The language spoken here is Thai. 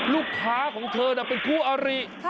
ลูกค้าของเธอเป็นคู่อาริ